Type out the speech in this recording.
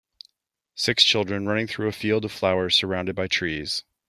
Six children running through a field of flowers surrounded by trees.